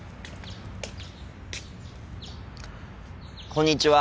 こんにちは。